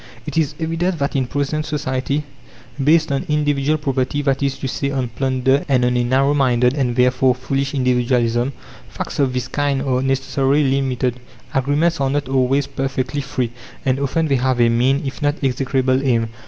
It is evident that in present society, based on individual property that is to say, on plunder, and on a narrow minded, and therefore foolish individualism facts of this kind are necessarily limited; agreements are not always perfectly free, and often they have a mean, if not execrable aim.